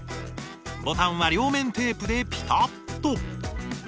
ボタンは両面テープでピタッと。